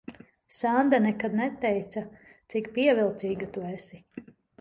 Sanda nekad neteica, cik pievilcīga tu esi.